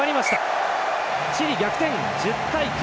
チリ逆転、１０対９。